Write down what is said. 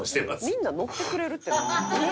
「“みんなノッてくれる”って何？」